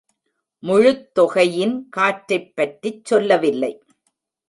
முழுத்தொகையின் காற்றைப் பற்றிச் சொல்லவில்லை.